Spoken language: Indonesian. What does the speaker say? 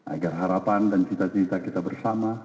agar harapan dan cita cita kita bersama